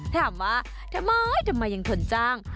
ถามว่าทำไมทำไมยังทนจ้าง